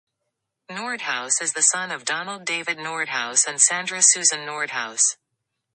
Nordhaus is the son of Donald David Nordhaus and Sandra Susan Nordhaus.